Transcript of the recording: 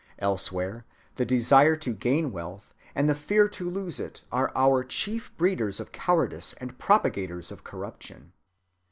Elsewhere the desire to gain wealth and the fear to lose it are our chief breeders of cowardice and propagators of corruption.